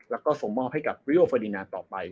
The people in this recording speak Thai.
แล้วก็ส่งมอบให้กับริโอเฟอร์ดินาต่อไป